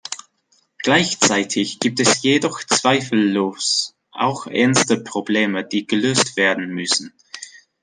Gleichzeitig gibt es jedoch zweifellos auch ernste Probleme, die gelöst werden müssen.